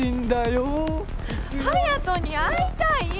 会いたい！